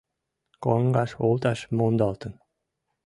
Коҥгаш олташ мондалтын...